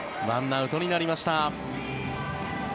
１アウトになりました。